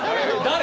誰？